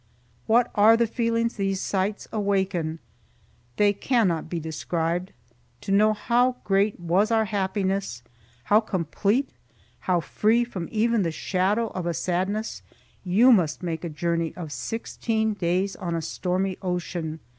What are the feelings these sights awaken! They can not be described. To know how great was our happiness, how complete, how free from even the shadow of a sadness, you must make a journey of sixteen days on a stormy ocean.